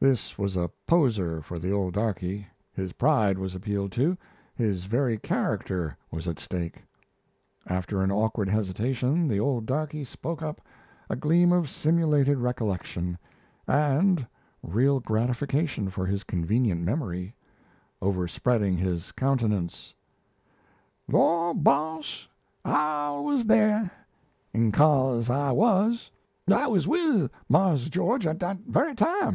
This was a poser for the old darkey; his pride was appealed to, his very character was at stake. After an awkward hesitation, the old darkey spoke up, a gleam of simulated recollection (and real gratification for his convenient memory) overspreading his countenance: "Lord, boss, I was dar. In cose I was. I was with Marse George at dat very time.